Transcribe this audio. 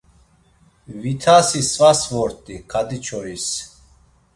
Vitasi svas vort̆i, Ǩadiçois.